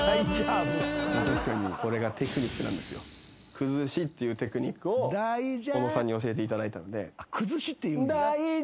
「崩し」っていうテクニックを小野さんに教えていただいたので。